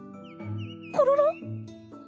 コロロ？